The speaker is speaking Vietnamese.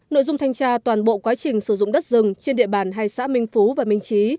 nội dung thanh tra toàn bộ quá trình sử dụng đất rừng trên địa bàn hai xã minh phú và minh trí